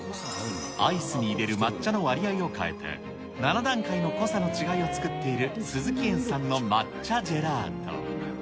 アイスに入れる抹茶の割合を変えて、７段階の濃さの違いを作っている壽々喜園さんの抹茶ジェラート。